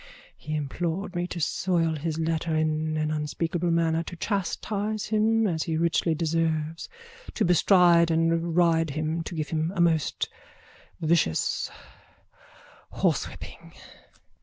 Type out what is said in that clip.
He implored me to soil his letter in an unspeakable manner, to chastise him as he richly deserves, to bestride and ride him, to give him a most vicious horsewhipping.